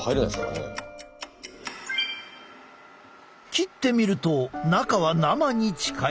切ってみると中は生に近い。